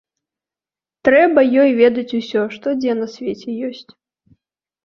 Трэба ёй ведаць усё, што дзе на свеце ёсць.